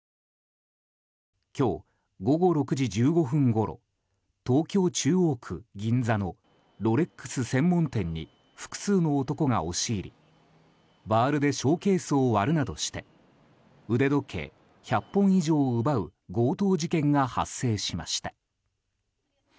今日午後６時１５分ごろ東京・中央区銀座のロレックス専門店に複数の男が押し入りバールでショーケースを割るなどして腕時計１００本以上を奪う強盗事件が発生しました。